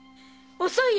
遅いよ！